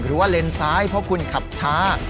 หรือว่าเลนส์ซ้ายเพราะคุณขับช้า